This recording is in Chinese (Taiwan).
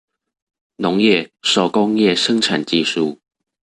農業、手工業生產技術